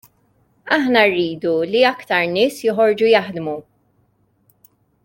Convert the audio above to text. Aħna rridu li aktar nies joħorġu jaħdmu.